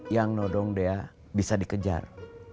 yang nodong dea bisa dikejar